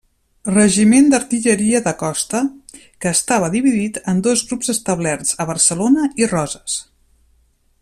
Regiment d'Artilleria de Costa que estava dividit en dos grups establerts a Barcelona i Roses.